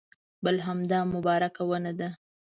بل همدا مبارکه ونه ده.